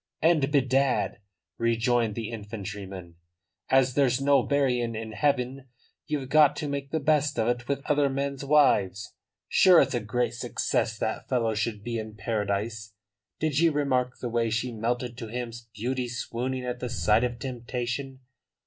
"And bedad," rejoined the infantryman, "as there's no marryin' in heaven ye've got to make the best of it with other men's wives. Sure it's a great success that fellow should be in paradise. Did ye remark the way she melted to him beauty swooning at the sight of temptation!